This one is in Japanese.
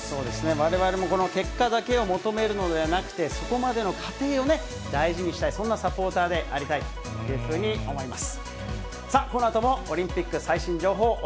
われわれも結果だけを求めるのではなくて、そこまでの過程をね、大事にしたい、そんなサポーターでありたいというふうにそういうふうに思います。